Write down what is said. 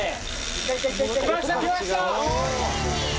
きましたきました！